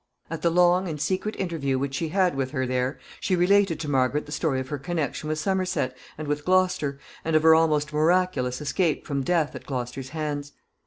At the long and secret interview which she had with her there she related to Margaret the story of her connection with Somerset and with Gloucester, and of her almost miraculous escape from death at Gloucester's hands.